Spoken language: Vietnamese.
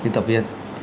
quý vị tập viên